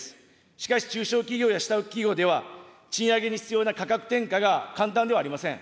しかし、中小企業や下請け企業では、賃上げに必要な価格転嫁が簡単ではありません。